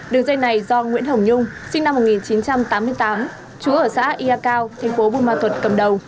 đường dây này do nguyễn hồng nhung sinh năm một nghìn chín trăm tám mươi tám chú ở xã ia cao thành phố buôn ma thuật cầm đầu